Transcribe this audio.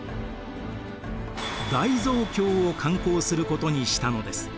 大蔵経を刊行することにしたのです。